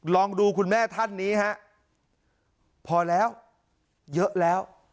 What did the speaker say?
ลองดูคุณแม่ท่านนี้ฮะพอแล้วเยอะแล้ว